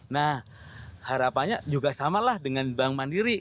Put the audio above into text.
nah harapannya juga sama lah dengan bank mandiri